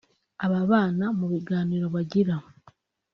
Aba bana mu biganiro bagirana